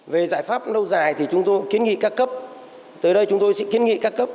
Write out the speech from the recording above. về giải pháp lâu dài thì chúng tôi kiến nghị ca cấp tới đây chúng tôi sẽ kiến nghị các cấp